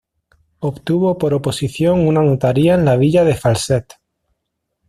Obtuvo por oposición una notaría en la villa de Falset.